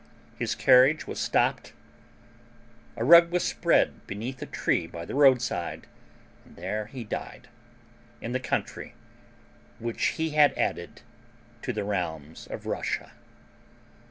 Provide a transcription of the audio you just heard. His carriage was stopped, a rug was spread beneath a tree by the roadside, and there he died, in the country which he had added to the realms of Russia.